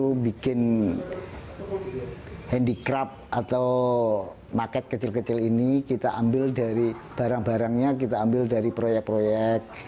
kita bikin handicrab atau market kecil kecil ini kita ambil dari barang barangnya kita ambil dari proyek proyek